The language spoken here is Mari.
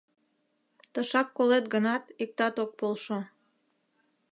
Тышак колет гынат, иктат ок полшо...